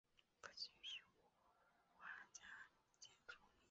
父亲是国画家兼中医。